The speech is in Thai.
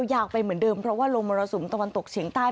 อยากไปเหมือนเดิมเพราะว่าลมมรสุมตะวันตกเฉียงใต้